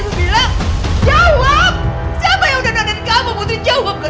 kamu pilih sama ibu siapa